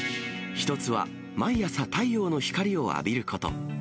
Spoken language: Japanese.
１つは、毎朝太陽の光を浴びること。